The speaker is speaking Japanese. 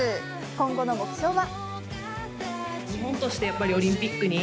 今後の目標は？